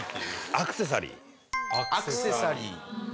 アクセサリー。